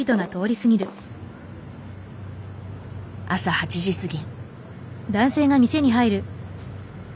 朝８時過ぎ。